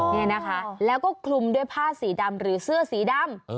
นี่นะคะแล้วก็คลุมด้วยผ้าสีดำหรือเสื้อสีดำ